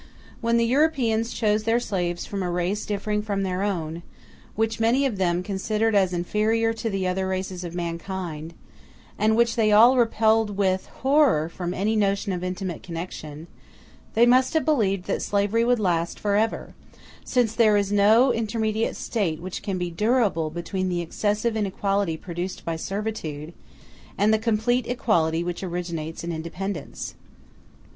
When the Europeans chose their slaves from a race differing from their own, which many of them considered as inferior to the other races of mankind, and which they all repelled with horror from any notion of intimate connection, they must have believed that slavery would last forever; since there is no intermediate state which can be durable between the excessive inequality produced by servitude and the complete equality which originates in independence.